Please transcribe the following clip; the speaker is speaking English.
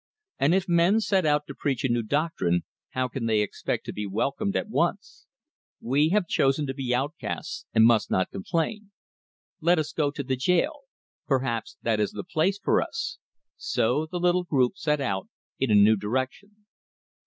And if men set out to preach a new doctrine, how can they expect to be welcomed at once? We have chosen to be outcasts, and must not complain. Let us go to the jail. Perhaps that is the place for us." So the little group set out in a new direction.